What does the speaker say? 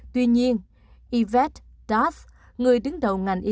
tuy nhiên yvette duff người đứng đầu ngành covid một mươi chín